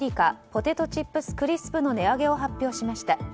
ポテトチップスクリスプの値上げを発表しました。